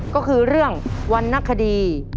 ก็คือเรื่องวรรณคดี